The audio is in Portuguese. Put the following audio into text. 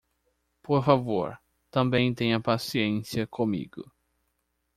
Por favor, também tenha paciência comigo.